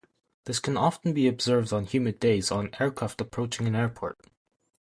This can often be observed on humid days on aircraft approaching an airport.